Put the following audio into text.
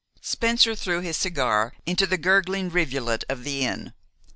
Spencer threw his cigar into the gurgling rivulet of the Inn.